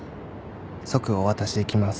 「即お渡しできます」